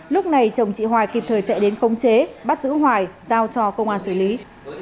lúc này chồng chị hoài kịp thời chạy đến khống chế bắt giữ hoài giao cho công an xử lý